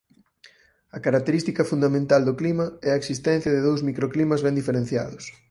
A característica fundamental do clima é a existencia de dous microclimas ben diferenciados.